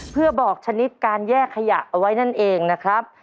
เพื่อบอกชนิดการแยกขยะเอาไว้นั่นเองนะครับ